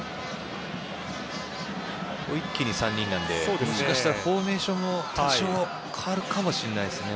一気に３人なのでもしかしたらフォーメーションも多少、変わるかもしれませんね。